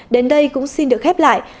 đến đây cũng xin được khép lại